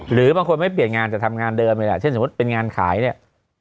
หรือบางคนไม่เปลี่ยนงานแต่ทำงานเดิมเลยล่ะเช่นสมมุติเป็นงานขายเนี่ย